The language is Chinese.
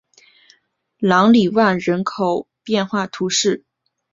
朗里万人口变化图示